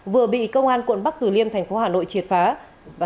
vừa bị công an quận bắc tử liêm tp hà nội triệt phá